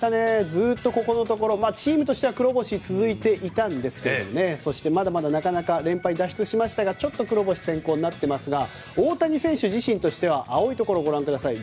ずっとここのところチームとしては黒星が続いていたんですがそして、まだまだなかなか連敗を脱出しましたが黒星先行になっていますが大谷選手自身としては青いところをご覧ください。